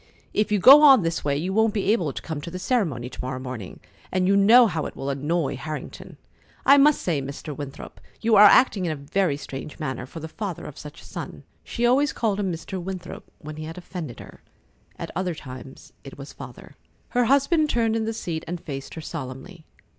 If you go on this way, you won't be able to come to the ceremony to morrow morning, and you know how that will annoy Harrington. I must say, Mr. Winthrop, you are acting in a very strange manner, for the father of such a son." She always called him Mr. Winthrop when he had offended her. At other times it was "Father." Her husband turned in the seat and faced her solemnly.